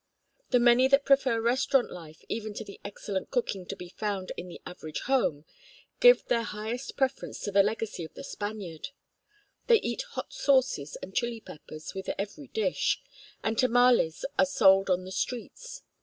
The many that prefer restaurant life even to the excellent cooking to be found in the average home, give their highest preference to the legacy of the Spaniard; they eat hot sauces and Chile peppers with every dish; and tamales are sold on the street corners.